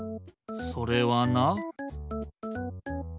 それはな。